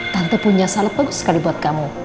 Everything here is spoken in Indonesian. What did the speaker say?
tante punya salah bagus sekali buat kamu